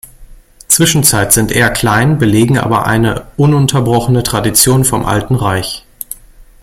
Zwischenzeit sind eher klein, belegen aber eine ununterbrochene Tradition vom Alten Reich.